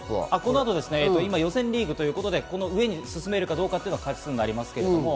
今、予選リーグということで、この上に進めるかどうかというのは勝ち数になりますけど。